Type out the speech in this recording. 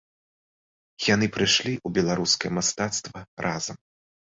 Яны прыйшлі ў беларускае мастацтва разам.